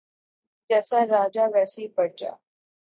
جیسا راجا ویسی پرجا